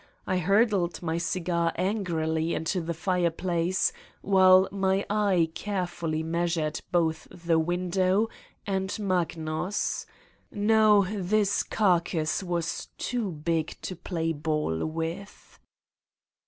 I hurled my cigar angrily into the fireplace, while my eye carefully measured both the window and Magnus ... no, this car cass was too big to play ball with.